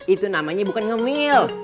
itu namanya bukan ngemil